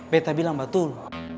betta bilang mbak tul